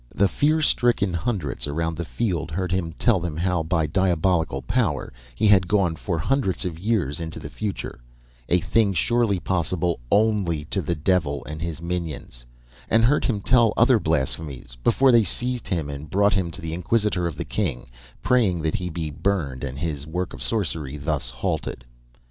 The fear stricken hundreds around the field heard him tell them how, by diabolical power, he had gone for hundreds of years into the future, a thing surely possible only to the devil and his minions, and heard him tell other blasphemies before they seized him and brought him to the Inquisitor of the King, praying that he be burned and his work of sorcery thus halted.